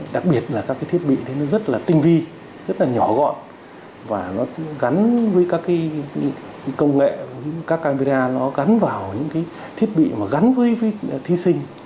đặc biệt là các thiết bị rất tinh vi rất nhỏ gọn gắn với các công nghệ các camera gắn vào những thiết bị gắn với thí sinh